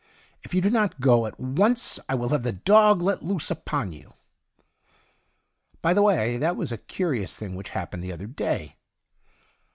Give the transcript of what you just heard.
If you do not go at once I will have the dog let loose upon you.' By the way, that was a curious thing which happened the other day.